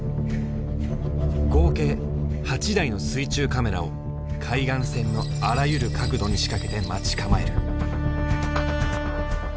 合計８台の水中カメラを海岸線のあらゆる角度に仕掛けて待ち構える。